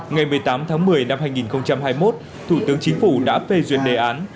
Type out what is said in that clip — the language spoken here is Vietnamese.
ngày một mươi tám tháng một mươi năm hai nghìn hai mươi một thủ tướng chính phủ đã phê duyệt đề án